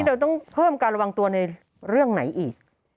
เราต้องเพิ่มการระวังตัวในเรื่องไหนอีก